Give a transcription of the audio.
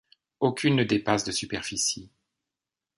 Aucune ne dépasse de superficie.